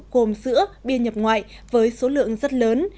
gồm sữa bia nhập ngoại với số lượng rất lớn